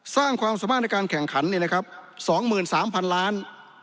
สร้างความสามารถในการแข่งขันเนี่ยนะครับ๒๓๐๐๐ล้าน